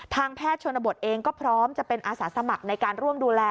แพทย์ชนบทเองก็พร้อมจะเป็นอาสาสมัครในการร่วมดูแล